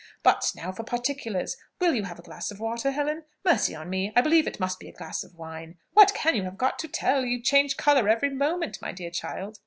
But now for particulars. Will you have a glass of water, Helen? Mercy on me! I believe it must be a glass of wine. What can you have got to tell? You change colour every moment, my dear child."